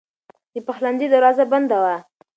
د پخلنځي دروازه بنده وه.